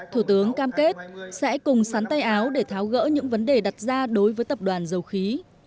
thủ tướng cam kết sẽ cùng sắn tay áo để tháo gỡ những vấn đề đặt ra đối với tập đoàn dầu khí